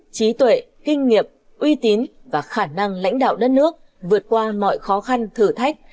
trí tuệ kinh nghiệp uy tín và khả năng lãnh đạo đất nước vượt qua mọi khó khăn thử thách